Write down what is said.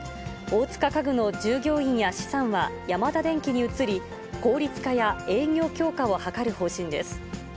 大塚家具の従業員や資産はヤマダデンキに移り、効率化や営業強化を図る方針です。